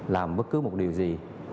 làm bất cứ một điều gì